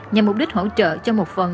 nhằm mục đích hỗ trợ cho một phần